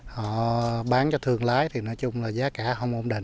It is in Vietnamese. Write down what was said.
họ bán cho thương lái thì nói chung là giá cả không ổn định